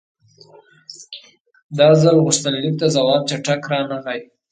دا ځل غوښتنلیک ته ځواب چټک رانغی.